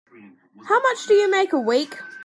How much do you make a week?